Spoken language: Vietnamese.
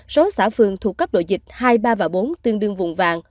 số xã phường thuộc cấp độ dịch hai mươi ba và bốn tương đương vùng vàng